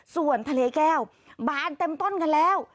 ส่วนทะเลแก้วบานเต็มต้นกันแล้ว